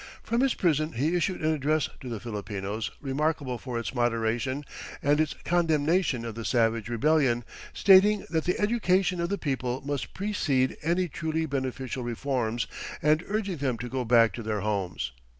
From his prison he issued an address to the Filipinos remarkable for its moderation and its condemnation of the "savage rebellion," stating that the education of the people must precede any truly beneficial reforms, and urging them to go back to their homes.